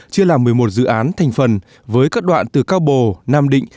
chia làm một mươi một dự án thành phần với các đoạn từ cao bồ nam định